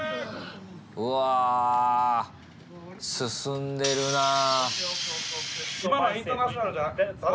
うわあ進んでるなぁ。